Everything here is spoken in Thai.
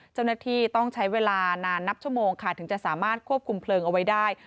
เจ้าหน้าที่ต้องใช้เวลานานนับชั่วโมงค่ะถึงจะสามารถควบคุมเพลิงเอาไว้ได้